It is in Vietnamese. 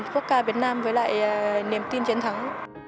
quốc ca việt nam với lại niềm tin chiến thắng